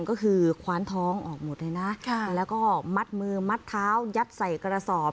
ก็คือคว้านท้องออกหมดเลยนะแล้วก็มัดมือมัดเท้ายัดใส่กระสอบ